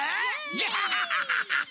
ガハハハハ！